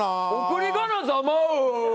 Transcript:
送り仮名、ざまう？